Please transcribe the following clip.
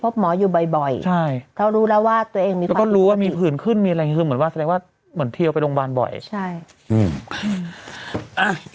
ก็สู้ว่ามีภืนขึ้นมีอะไรก็จะเหมือนว่าเทวไปโรงพยาบาลบ่อย